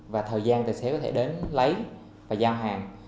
và thời gian tài xế có thể đến lấy và giao hàng